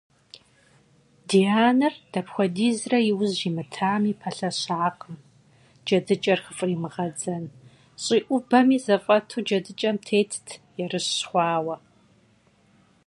Ди анэр дапхуэдизрэ яужь имытами, пэлъэщакъым, джэдыкӀэр хыфӀримыгъэдзэн: щӀиӀубэми зэфӀэту джэдыкӀэм тетт, ерыщ хъуауэ.